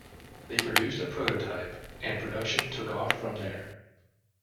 They produced a prototype and production took off from there.